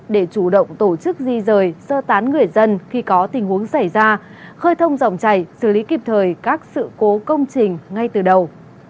để chủ động tổ chức di rời sơ tán người dân khi có tình huống xảy ra khơi thông dòng chảy xử lý kịp thời các sự cố công trình ngay từ đầu